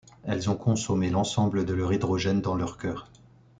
Elles ont consommé l'ensemble de leur hydrogène dans leur cœur.